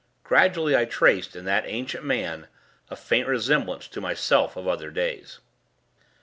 Gradually, I traced, in that ancient man, a faint resemblance to my self of other days.